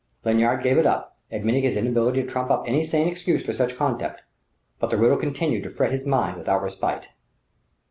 Lanyard gave it up, admitting his inability to trump up any sane excuse for such conduct; but the riddle continued to fret his mind without respite.